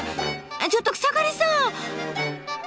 ちょっと草刈さん！